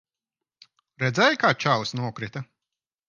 Redzēji, kā čalis nokrita?